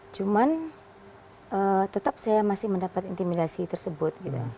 cuman tetap saya masih mendapat intimidasi tersebut